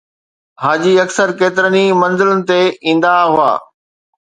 حاجي اڪثر ڪيترن ئي منزلن تي ايندا هئا